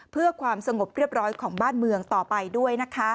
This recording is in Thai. เพื่อความสงบเรียบร้อยของบ้านเมืองต่อไปด้วยนะคะ